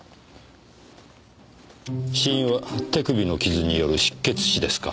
死因は手首の傷による失血死ですか。